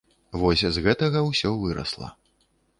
Вось з гэтага ўсё вырасла.